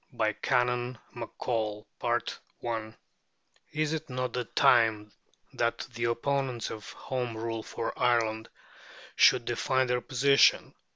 BY CANON MACCOLL Is it not time that the opponents of Home Rule for Ireland should define their position?